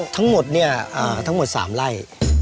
ทั้งหมดเนี่ยทั้งหมด๓ไร่